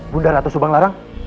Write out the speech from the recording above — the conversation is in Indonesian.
bunda ratu subanglarang